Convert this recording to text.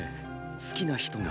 好きな人が。